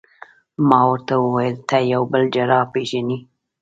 ما ورته وویل: ته یو بل جراح پېژنې؟